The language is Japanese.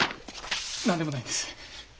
何でもないんです。